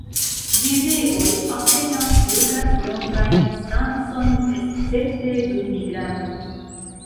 Vireoj apenaŭ flugas longajn distancojn escepte dum migrado.